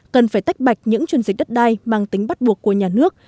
cần phải tách bạch những chuyển dịch đất đai mang tính bắt buộc của nhà nước